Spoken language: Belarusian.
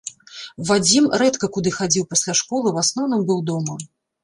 Вадзім рэдка куды хадзіў пасля школы, у асноўным быў дома.